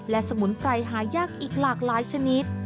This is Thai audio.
และสมุนไพรหายากอีกหลากหลายชนิด